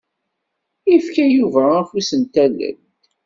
Ifka Yuba afus n tallelt.